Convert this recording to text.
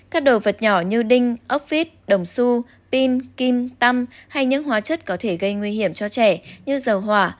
các đồ vật nhỏ như đinh ốc vít đồng su pin kim tăm hay những hóa chất có thể gây nguy hiểm cho trẻ như dầu hỏa